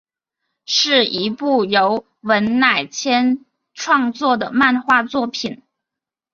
是一部由文乃千创作的漫画作品。